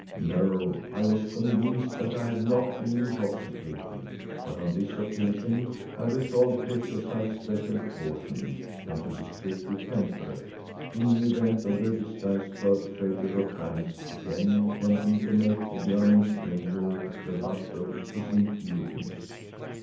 No I was convinced that I had not been intoxicated, but on this occasion I resolved to exercise special caution, and to be strictly temperate, in the event of the disguised perpetrator of pranks again attempting to make the German stranger the butt of his impudence.